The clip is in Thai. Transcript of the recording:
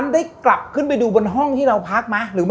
ได้กลับขึ้นไปดูบนห้องที่เราพักไหม